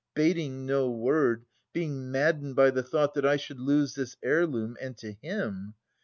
Bating no word, being maddened by the thought That I should lose this heirloom, — and to him